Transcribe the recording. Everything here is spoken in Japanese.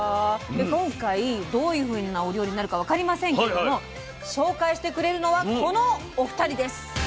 で今回どういうふうなお料理になるか分かりませんけれども紹介してくれるのはこのお二人です。